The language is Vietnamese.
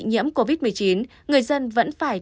nhiễm covid một mươi chín người dân vẫn phải